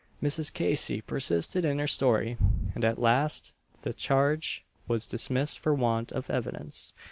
Mrs. Casey persisted in her story, and at last the charge was dismissed for want of evidence.